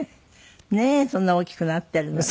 ねえそんな大きくなってるのに。